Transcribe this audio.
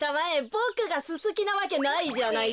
ボクがススキなわけないじゃないか。